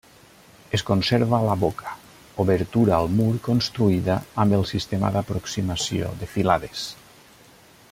Es conserva la boca, obertura al mur construïda amb el sistema d'aproximació de filades.